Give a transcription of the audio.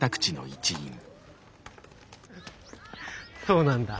そうなんだ。